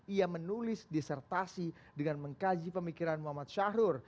ia menulis disertasi dengan mengkaji pemikiran muhammad syahrul